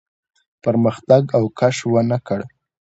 پرمختګ او کش ونه کړ.